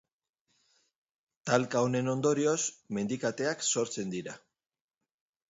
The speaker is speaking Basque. Talka honen ondorioz, mendikateak sortzen dira.